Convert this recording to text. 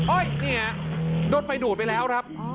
โอ๊ยนี่เหรอโดดไฟดูดไปแล้วครับ